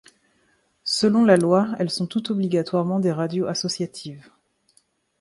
Selon la loi elles sont toutes obligatoirement des radios associatives.